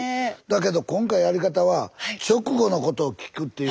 だけど今回やり方は直後のことを聞くっていうあれがよかったですね。